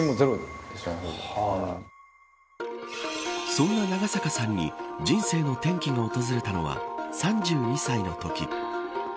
そんな長坂さんに人生の転機が訪れたのは３２歳のとき。